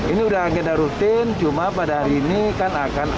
ini sudah agenda rutin cuma pada hari ini kan akan ada